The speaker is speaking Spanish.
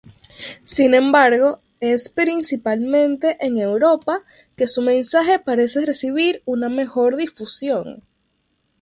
Sin embargo, es principalmente en Europa que su mensaje parece recibir una mejor difusión.